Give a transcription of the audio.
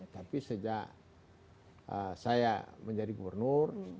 tapi sejak saya menjadi gubernur